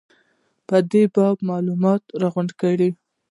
په دې باب به معلومات راغونډ کړي.